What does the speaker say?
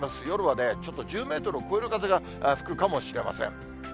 夜はちょっと１０メートルを超える風が吹くかもしれません。